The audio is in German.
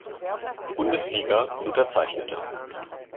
Bundesliga unterzeichnete.